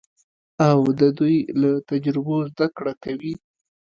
او د دوی له تجربو زده کړه کوي.